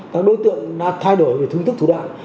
các đối tượng đã thay đổi về phương thức thủ đoạn